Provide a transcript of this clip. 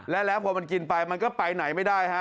แล้วพอมันกินไปมันก็ไปไหนไม่ได้ฮะ